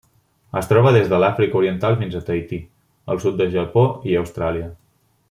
Es troba des de l'Àfrica Oriental fins a Tahití, el sud del Japó i Austràlia.